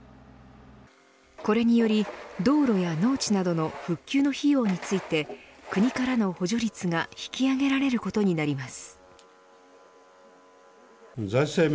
これにより道路や農地などの復旧の費用について国からの補助率が引き上げられることになります。